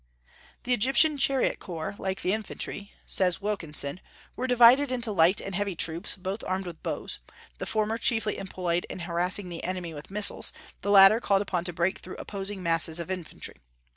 "The Egyptian chariot corps, like the infantry," says Wilkinson, "were divided into light and heavy troops, both armed with bows, the former chiefly employed in harassing the enemy with missiles; the latter called upon to break through opposing masses of infantry."